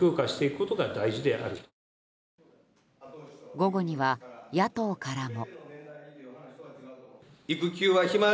午後には野党からも。